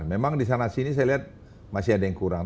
memang di sana sini saya lihat masih ada yang kurang